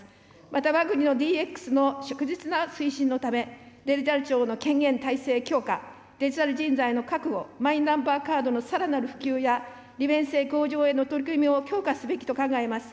またわが国のＤＸの着実な推進のため、デジタル庁の権限・体制強化、デジタル人材の確保、マイナンバーカードのさらなる普及や利便性向上への取り組みを強化すべきと考えます。